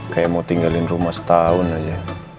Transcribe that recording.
kayak mau tinggalin rumah setahun aja